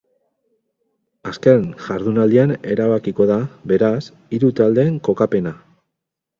Azken jardunaldian erabakiko da, beraz, hiru taldeen kokapena.